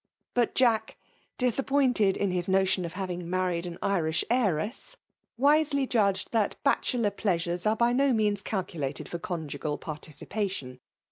But Jade, disaib. pointed in his notion of having married an Irish heiress, wisely judged thai bachelor plea* flHvea are by bo means calculated for conjoeal participation.